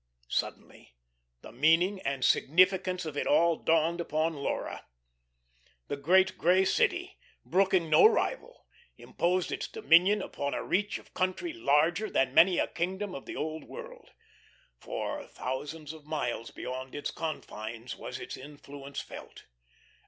Suddenly the meaning and significance of it all dawned upon Laura. The Great Grey City, brooking no rival, imposed its dominion upon a reach of country larger than many a kingdom of the Old World. For, thousands of miles beyond its confines was its influence felt.